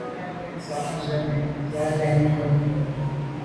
Náná gə̀ sɔ̌k ndzwə́ mɛ̀n zə̄ á tɛ̌n krút jùp bà’.